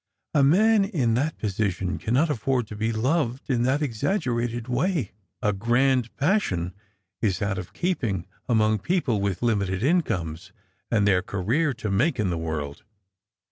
A man in that position cannot afford to be loved in that ex aggerated way. A grande passion, is ont of keeping among people with limited incomes and their career to make in the world.